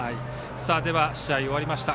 では試合終わりました。